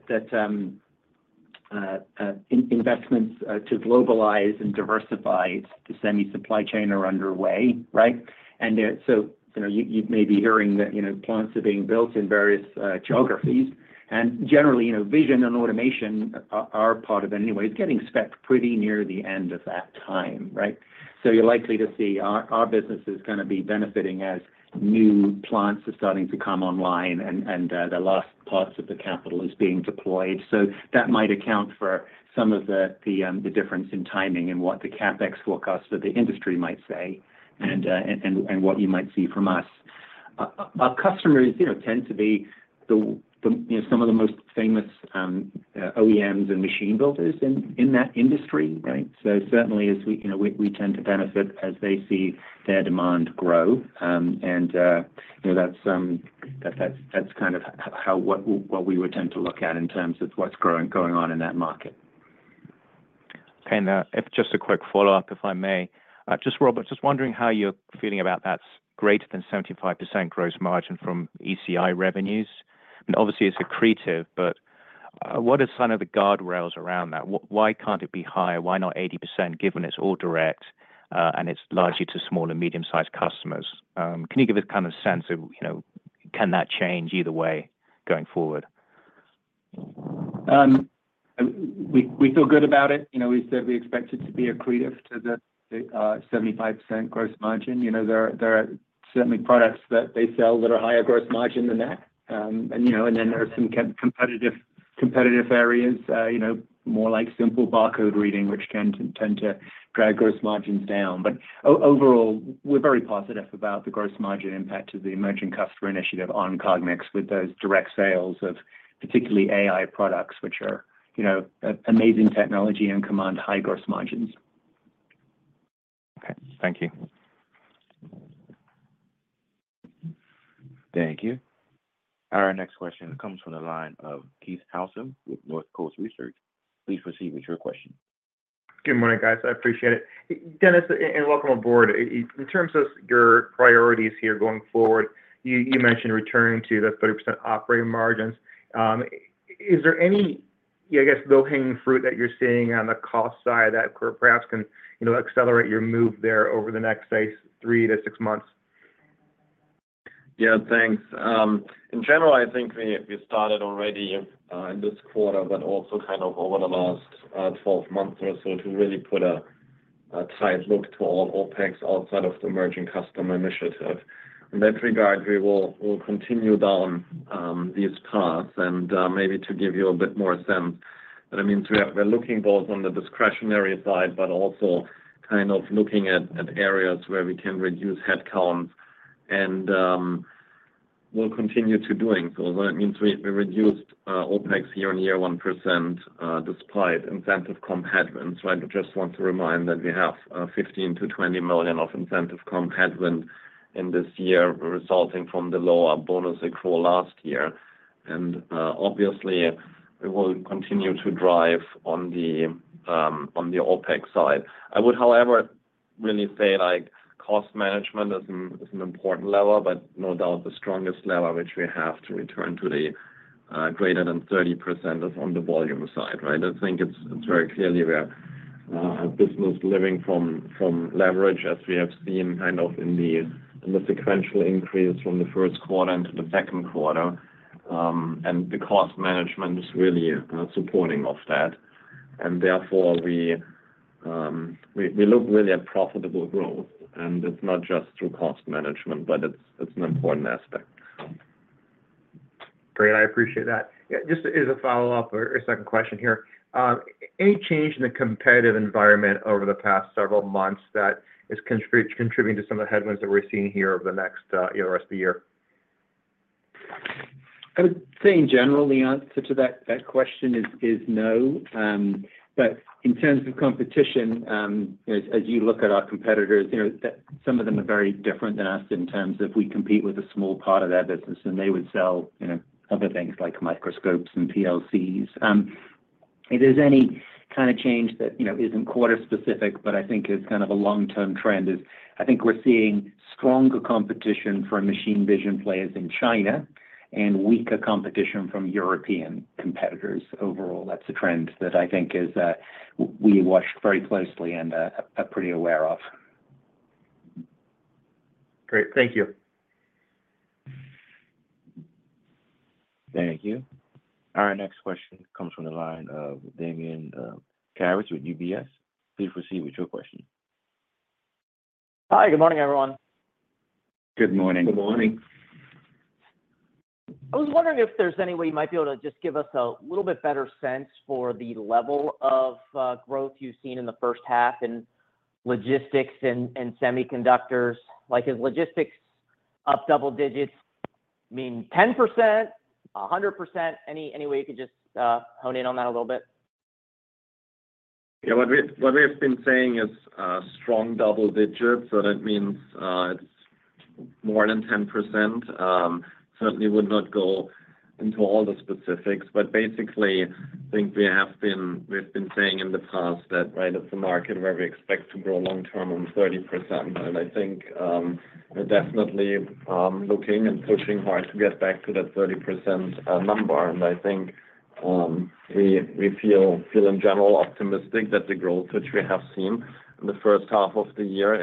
investments to globalize and diversify the semi supply chain are underway, right? And so, you know, you may be hearing that, you know, plants are being built in various geographies, and generally, you know, vision and automation are part of it anyway. It's getting spent pretty near the end of that time, right? So you're likely to see our business is gonna be benefiting as new plants are starting to come online and the last parts of the capital is being deployed. So that might account for some of the difference in timing and what the CapEx forecast that the industry might say, and what you might see from us. Our customers, you know, tend to be the, you know, some of the most famous OEMs and machine builders in that industry, right? So certainly, as we, you know, we tend to benefit as they see their demand grow. And, you know, that's kind of how we would tend to look at in terms of what's going on in that market. If just a quick follow-up, if I may. Just Robert, just wondering how you're feeling about that greater than 75% gross margin from ECI revenues? And obviously, it's accretive, but what are some of the guardrails around that? Why can't it be higher? Why not 80%, given it's all direct, and it's largely to small and medium-sized customers? Can you give us kind of a sense of, you know, can that change either way going forward? We feel good about it. You know, we said we expect it to be accretive to the 75% gross margin. You know, there are certainly products that they sell that are higher gross margin than that. And, you know, and then there are some competitive areas, you know, more like simple barcode reading, which tend to drag gross margins down. But overall, we're very positive about the gross margin impact of the emerging customer initiative on Cognex, with those direct sales of particularly AI products, which are, you know, amazing technology and command high gross margins. Okay. Thank you. Thank you. Our next question comes from the line of Keith Housum with North Coast Research. Please proceed with your question. Good morning, guys. I appreciate it. Dennis, and welcome aboard. In terms of your priorities here going forward, you mentioned returning to the 30% operating margins. Is there any, I guess, low-hanging fruit that you're seeing on the cost side that perhaps can, you know, accelerate your move there over the next, say, 3-6 months? Yeah, thanks. In general, I think we started already in this quarter, but also kind of over the last 12 months or so, to really put a tight look to all OpEx outside of the emerging customer initiative. In that regard, we'll continue down this path, and maybe to give you a bit more sense. But I mean, we're looking both on the discretionary side, but also kind of looking at areas where we can reduce headcount and we'll continue to doing so. That means we reduced OpEx year-on-year 1%, despite incentive comp headwinds. So I just want to remind that we have $15 million-$20 million of incentive comp headwind in this year, resulting from the lower bonus accrual last year. Obviously, we will continue to drive on the OpEx side. I would, however, really say, like, cost management is an important lever, but no doubt the strongest lever which we have to return to the greater than 30% is on the volume side, right? I think it's very clearly we are a business living from leverage, as we have seen kind of in the sequential increase from the first quarter into the second quarter. And the cost management is really supporting of that. Therefore, we look really at profitable growth, and it's not just through cost management, but it's an important aspect. Great. I appreciate that. Yeah, just as a follow-up or a second question here. Any change in the competitive environment over the past several months that is contributing to some of the headwinds that we're seeing here over the next, you know, rest of the year? I would say in general, the answer to that, that question is, is no. But in terms of competition, as you look at our competitors, you know, that some of them are very different than us in terms of we compete with a small part of their business, and they would sell, you know, other things like microscopes and PLCs. If there's any kinda change that, you know, isn't quarter specific, but I think is kind of a long-term trend, is I think we're seeing stronger competition from machine vision players in China and weaker competition from European competitors overall. That's a trend that I think is, we watched very closely and are pretty aware of. Great. Thank you. Thank you. Our next question comes from the line of Damian Karas with UBS. Please proceed with your question. Hi, good morning, everyone. Good morning. Good morning. I was wondering if there's any way you might be able to just give us a little bit better sense for the level of growth you've seen in the first half in logistics and semiconductors. Like, is logistics up double digits? I mean, 10%, 100%? Any way you could just hone in on that a little bit? Yeah. What we've been saying is strong double digits, so that means it's more than 10%. Certainly would not go into all the specifics, but basically, I think we've been saying in the past that right off the market, where we expect to grow long term on 30%. And I think we're definitely looking and pushing hard to get back to that 30% number. And I think we feel in general optimistic that the growth which we have seen in the first half of the year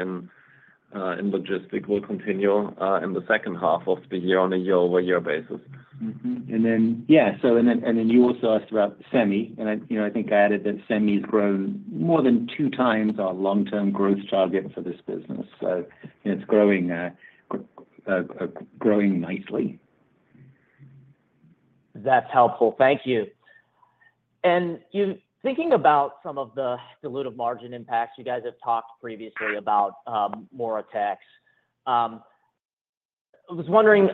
in logistics will continue in the second half of the year on a year-over-year basis. Mm-hmm. And then, yeah, so you also asked about semi, and, you know, I think I added that semi has grown more than 2 times our long-term growth target for this business, so it's growing nicely. That's helpful. Thank you. And thinking about some of the dilutive margin impacts, you guys have talked previously about more attacks. I was wondering,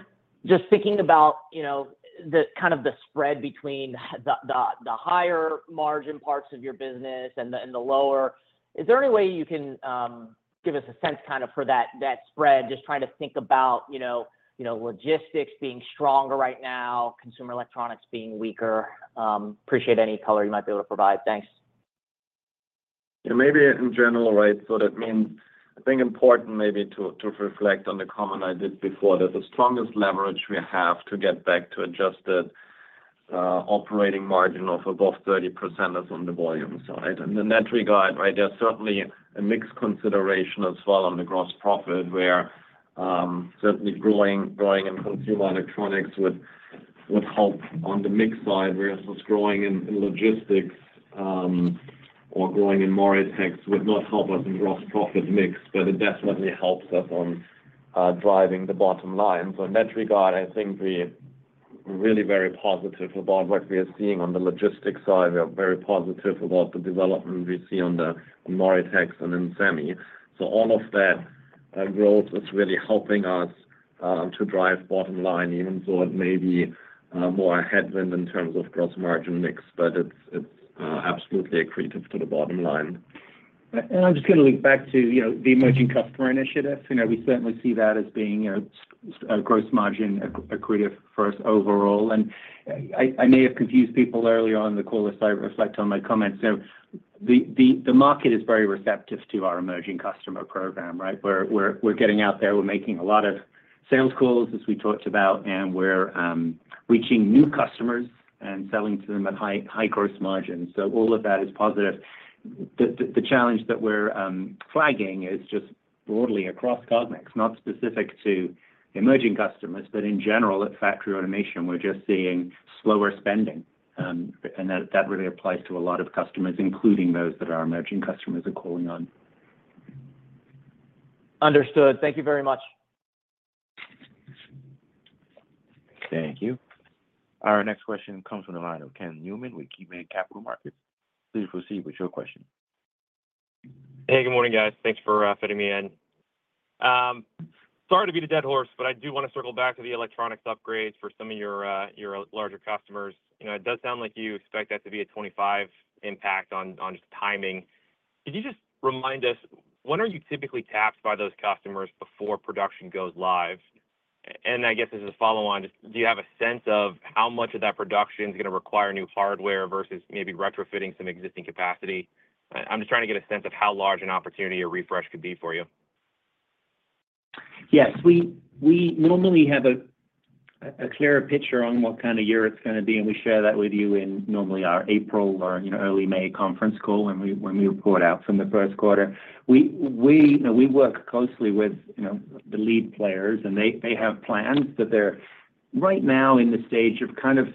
just thinking about, you know, the kind of spread between the higher margin parts of your business and the lower, is there any way you can give us a sense kind of for that spread? Just trying to think about, you know, logistics being stronger right now, consumer electronics being weaker. Appreciate any color you might be able to provide. Thanks. Yeah, maybe in general, right? So that means, I think, important maybe to, to reflect on the comment I did before, that the strongest leverage we have to get back to adjusted operating margin of above 30% is on the volume side. And in that regard, right, there's certainly a mixed consideration as well on the gross profit, where, certainly growing, growing in consumer electronics would, would help on the mix side, whereas what's growing in, in logistics, or growing in MORITEX would not help us in gross profit mix, but it definitely helps us on, driving the bottom line. So in that regard, I think we're really very positive about what we are seeing on the logistics side. We are very positive about the development we see on the, on MORITEX and in Semi. So all of that growth is really helping us to drive bottom line, even though it may be more a headwind in terms of gross margin mix, but it's absolutely accretive to the bottom line. I'm just gonna link back to, you know, the emerging customer initiative. You know, we certainly see that as being, you know, a gross margin accretive for us overall. And I may have confused people earlier on in the call as I reflect on my comments. So the market is very receptive to our emerging customer program, right? We're getting out there, we're making a lot of sales calls, as we talked about, and we're reaching new customers and selling to them at high, high gross margins. So all of that is positive. The challenge that we're flagging is just broadly across Cognex, not specific to emerging customers, but in general, at factory automation, we're just seeing slower spending. And that really applies to a lot of customers, including those that are emerging customers we're calling on. Understood. Thank you very much. Thank you. Our next question comes from the line of Ken Newman with KeyBanc Capital Markets. Please proceed with your question. Hey, good morning, guys. Thanks for fitting me in. Sorry to beat a dead horse, but I do want to circle back to the electronics upgrades for some of your your larger customers. You know, it does sound like you expect that to be a 25 impact on, on just timing. Could you just remind us, when are you typically tapped by those customers before production goes live? And I guess as a follow on, just do you have a sense of how much of that production is gonna require new hardware versus maybe retrofitting some existing capacity? I'm just trying to get a sense of how large an opportunity a refresh could be for you. Yes. We normally have a clearer picture on what kind of year it's gonna be, and we share that with you in normally our April or, you know, early May conference call, when we report out from the first quarter. We, you know, we work closely with, you know, the lead players, and they have plans, but they're right now in the stage of kind of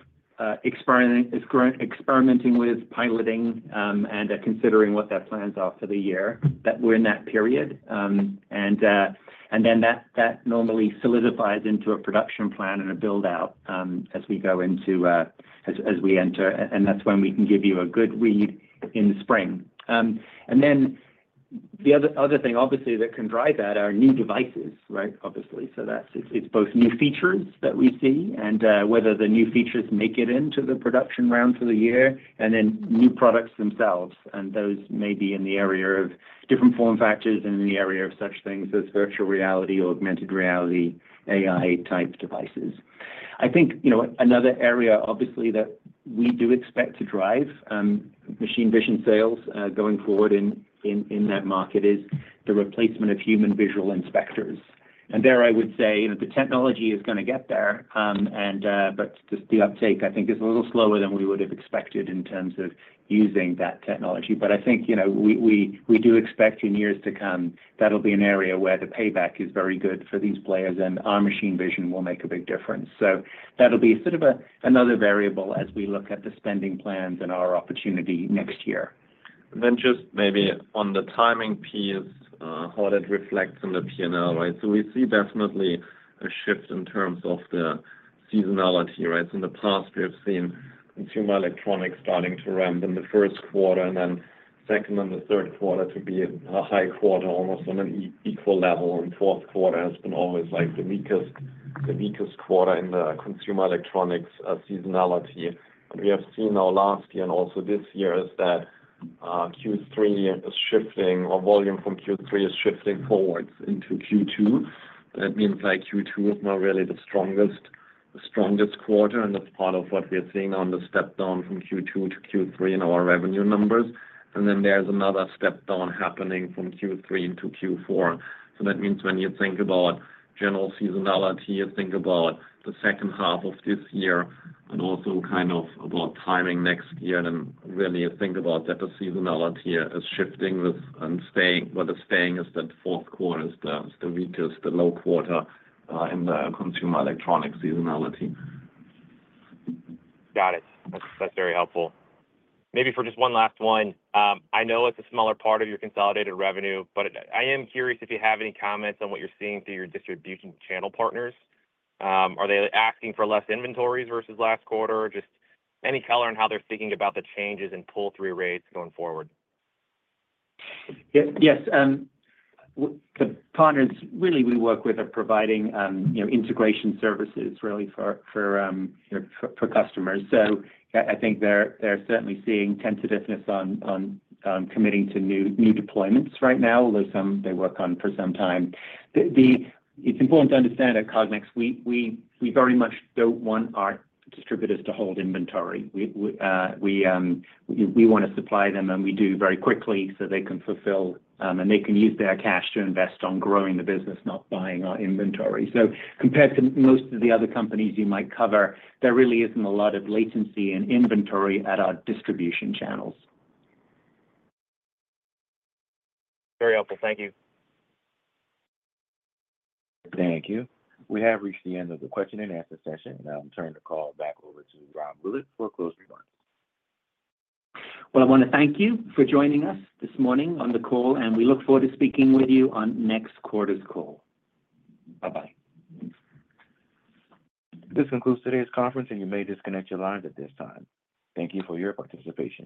experimenting with piloting and considering what their plans are for the year. That we're in that period. And then that normally solidifies into a production plan and a build-out as we go into as we enter, and that's when we can give you a good read in the spring. And then the other thing, obviously, that can drive that are new devices, right? Obviously. So it's both new features that we see, and whether the new features make it into the production round for the year, and then new products themselves, and those may be in the area of different form factors and in the area of such things as virtual reality or augmented reality, AI-type devices. I think, you know, another area, obviously, that we do expect to drive machine vision sales going forward in that market is the replacement of human visual inspectors. And there I would say, you know, the technology is gonna get there, and but just the uptake, I think, is a little slower than we would have expected in terms of using that technology. But I think, you know, we do expect in years to come, that'll be an area where the payback is very good for these players, and our machine vision will make a big difference. So that'll be sort of a, another variable as we look at the spending plans and our opportunity next year. And then just maybe on the timing piece, how that reflects on the P&L, right? So we see definitely a shift in terms of the seasonality, right? So in the past, we have seen consumer electronics starting to ramp in the first quarter, and then second and the third quarter to be a high quarter, almost on an equal level, and fourth quarter has been always, like, the weakest, the weakest quarter in the consumer electronics seasonality. And we have seen now last year and also this year, is that Q3 is shifting, or volume from Q3 is shifting forwards into Q2. That means that Q2 is now really the strongest, the strongest quarter, and that's part of what we are seeing on the step down from Q2 to Q3 in our revenue numbers. And then there's another step down happening from Q3 into Q4. So that means when you think about general seasonality, you think about the second half of this year and also kind of about timing next year. And then really you think about that the seasonality is shifting with, and staying—what is staying is that fourth quarter is the weakest, the low quarter, in the consumer electronics seasonality. Got it. That's, that's very helpful. Maybe for just one last one, I know it's a smaller part of your consolidated revenue, but I am curious if you have any comments on what you're seeing through your distribution channel partners. Are they asking for less inventories versus last quarter? Or just any color on how they're thinking about the changes in pull-through rates going forward? Yes, yes. The partners really we work with are providing, you know, integration services really for customers. So I think they're certainly seeing tentativeness on committing to new deployments right now, although some they work on for some time. It's important to understand at Cognex, we very much don't want our distributors to hold inventory. We want to supply them, and we do very quickly so they can fulfill, and they can use their cash to invest on growing the business, not buying our inventory. So compared to most of the other companies you might cover, there really isn't a lot of latency in inventory at our distribution channels. Very helpful. Thank you. Thank you. We have reached the end of the question and answer session. Now I'll turn the call back over to Rob Willett for closing remarks. Well, I wanna thank you for joining us this morning on the call, and we look forward to speaking with you on next quarter's call. Bye-bye. This concludes today's conference, and you may disconnect your lines at this time. Thank you for your participation.